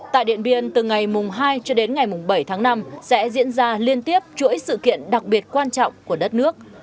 tại điện biên từ ngày hai cho đến ngày bảy tháng năm sẽ diễn ra liên tiếp chuỗi sự kiện đặc biệt quan trọng của đất nước